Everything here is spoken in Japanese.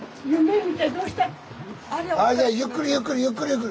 ゆっくりゆっくりゆっくりゆっくり！